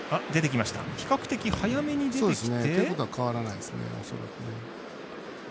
比較的、早めに出てきて。